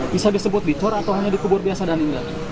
bisa disebut dicor atau hanya dikubur biasa dan indah